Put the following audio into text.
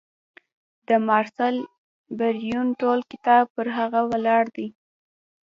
د مارسل بریون ټول کتاب پر هغه ولاړ دی.